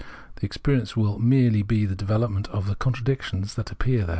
The experience will be merely the development of the con tradictions that appear there.